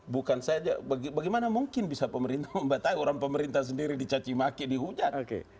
bukan saja bagaimana mungkin bisa pemerintah membatasi orang pemerintah sendiri dicacimaki dihujat